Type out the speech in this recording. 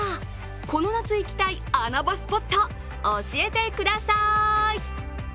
この夏、行きたい穴場スポット教えてください。